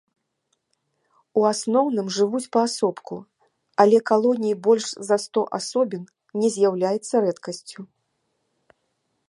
У асноўным жывуць паасобку, але калоніі больш за сто асобін не з'яўляецца рэдкасцю.